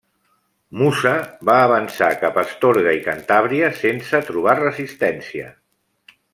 Mussa va avançar cap a Astorga i Cantàbria sense trobar resistència.